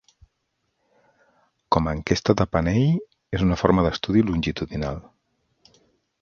Com a enquesta de panell és una forma d'estudi longitudinal.